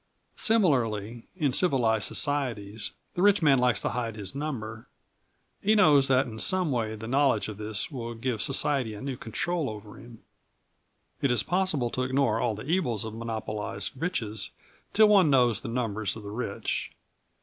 Similarly, in civilised societies, the rich man likes to hide his number. He knows that in some way the knowledge of this will give society a new control over him. It is possible to ignore all the evils of monopolised riches till one knows the numbers of the rich.